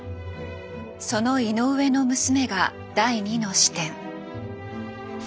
その井上の娘が第２の視点。